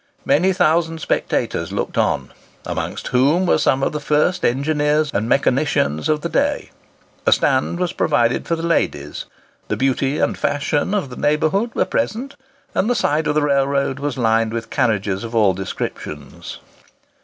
Many thousand spectators looked on, amongst whom were some of the first engineers and mechanicians of the day. A stand was provided for the ladies; the "beauty and fashion" of the neighbourhood were present, and the side of the railroad was lined with carriages of all descriptions.